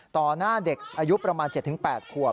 หน้าเด็กอายุประมาณ๗๘ขวบ